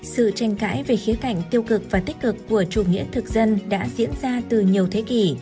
sự tranh cãi về khía cảnh tiêu cực và tích cực của chủ nghĩa thực dân đã diễn ra từ nhiều thế kỷ